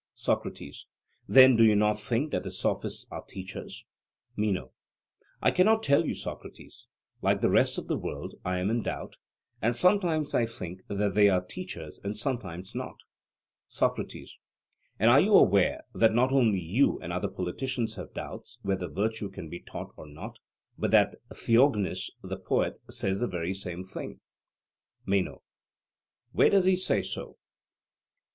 SOCRATES: Then do you not think that the Sophists are teachers? MENO: I cannot tell you, Socrates; like the rest of the world, I am in doubt, and sometimes I think that they are teachers and sometimes not. SOCRATES: And are you aware that not you only and other politicians have doubts whether virtue can be taught or not, but that Theognis the poet says the very same thing? MENO: Where does he say so?